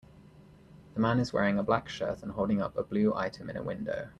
The man is wearing a black shirt and holding up a blue item in a window.